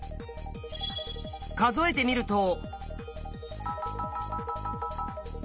数えてみると。